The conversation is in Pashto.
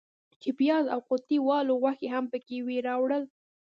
چې پیاز او قوطۍ والا غوښې هم پکې وې راوړل.